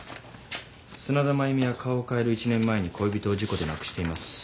砂田繭美は顔を変える１年前に恋人を事故で亡くしています。